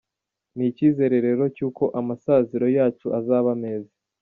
Ni icyizere rero cy’uko amasaziro yacu azaba meza.